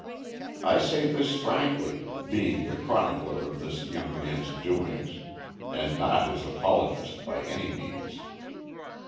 I say this frankly, being the chronicler of this young man's doings and not his apologist by any means.